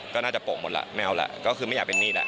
ก็น่าจะโป่งหมดแล้วไม่เอาแล้วก็คือไม่อยากเป็นมีดอ่ะ